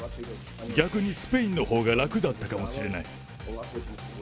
逆にスペインのほうが楽だったかもしれない。